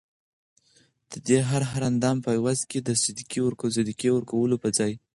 ددي هر هر اندام په عوض کي د صدقې ورکولو په ځای